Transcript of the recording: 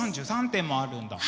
３３点もあるんだ。